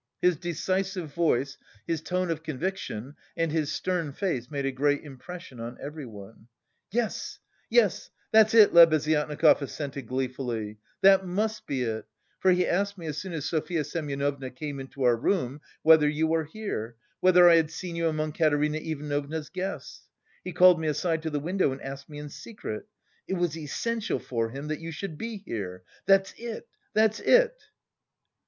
His decisive voice, his tone of conviction and his stern face made a great impression on everyone. "Yes, yes, that's it," Lebeziatnikov assented gleefully, "that must be it, for he asked me, as soon as Sofya Semyonovna came into our room, whether you were here, whether I had seen you among Katerina Ivanovna's guests. He called me aside to the window and asked me in secret. It was essential for him that you should be here! That's it, that's it!"